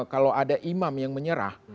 kalau ada imam yang menyerah